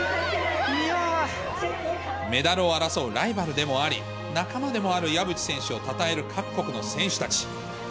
メダルを争うライバルでもあり、仲間でもある岩渕選手をたたえる各国の選手たち。